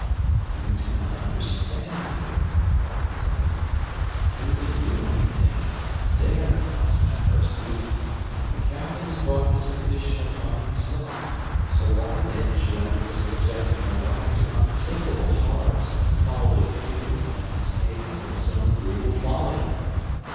"You do not understand, dear," replied Clayton. "It is of you I am thinking—there lies my first duty. The captain has brought this condition upon himself, so why then should I risk subjecting my wife to unthinkable horrors in a probably futile attempt to save him from his own brutal folly?